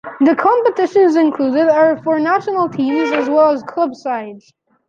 The competitions included are for national teams as well as club sides.